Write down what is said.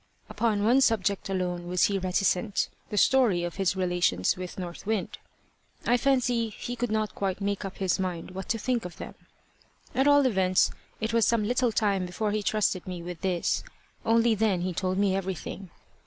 Upon one subject alone was he reticent the story of his relations with North Wind. I fancy he could not quite make up his mind what to think of them. At all events it was some little time before he trusted me with this, only then he told me everything.